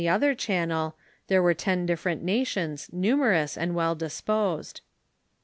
Z, I ill), other channel, there are ten different nations, numerous, and well disposed.